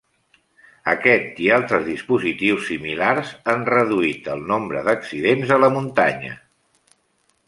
Aquest i altres dispositius similars han reduït el nombre d'accidents en muntanya.